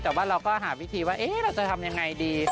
แต่ว่าเราก็หาวิธีว่าเราจะทำยังไงดี